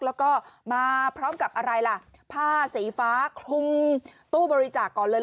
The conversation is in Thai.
แล้วก็มาพร้อมกับอะไรล่ะผ้าสีฟ้าคลุมตู้บริจาคก่อนเลย